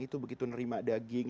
itu begitu nerima daging